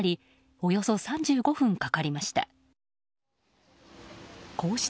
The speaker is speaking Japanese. およそ３５分かかりました。